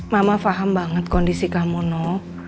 mama faham banget kondisi kamu no